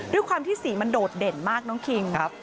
ด้วยความที่สีมันโดดเด่นมากน้องคิง